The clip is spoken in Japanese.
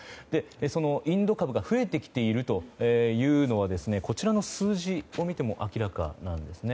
そのインド株が増えてきているというのはこちらの数字を見ても明らかなんですね。